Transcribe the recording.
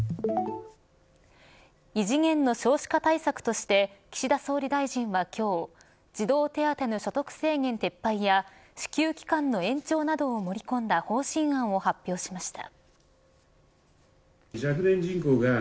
異次元の少子化対策として岸田総理大臣は今日児童手当の所得制限撤廃や支給期間の延長などを盛り込んだ方針案を発表しました。